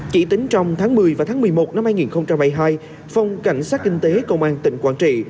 chỉ tính trong tháng một mươi và tháng một mươi một năm hai nghìn hai mươi hai phòng cảnh sát kinh tế công an tỉnh quảng trị